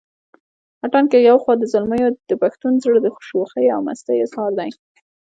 اتڼ که يو خوا د زلميو دپښتون زړه دشوخۍ او مستۍ اظهار دے